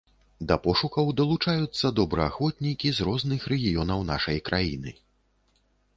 Да пошукаў далучаюцца добраахвотнікі з розных рэгіёнаў нашай краіны.